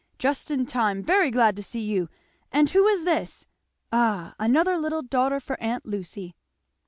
Just in time very glad to see you. And who is this? Ah, another little daughter for aunt Lucy."